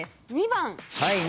２番。